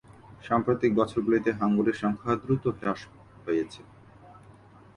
সাম্প্রতিক বছরগুলিতে হাঙ্গরের সংখ্যা দ্রুত হ্রাস পেয়েছে।